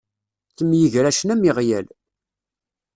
Ttemyegracen am iɣyal.